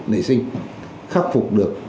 nảy sinh khắc phục được